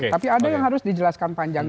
tapi ada yang harus dijelaskan panjang